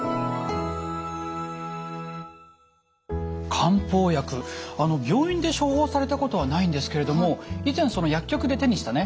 漢方薬病院で処方されたことはないんですけれども以前薬局で手にしたね